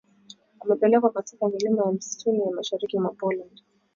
wamepelekwa katika milima ya msituni ya mashariki mwa Poland